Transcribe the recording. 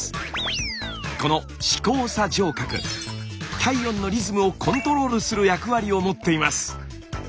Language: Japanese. この視交叉上核体温のリズムをコントロールする役割を持っています。